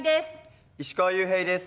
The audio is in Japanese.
石川裕平です。